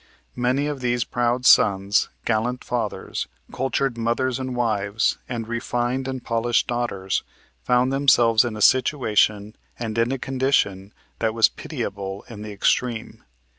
Many of these proud sons, gallant fathers, cultured mothers and wives and refined and polished daughters found themselves in a situation and in a condition that was pitiable in the extreme.